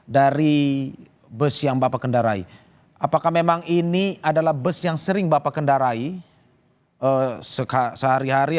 dari bus yang bapak kendarai apakah memang ini adalah bus yang sering bapak kendarai sehari hari